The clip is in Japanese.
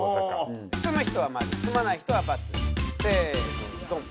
住む人は○住まない人は×せーのドン！